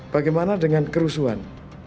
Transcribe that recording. bagaimana dengan kerusuhan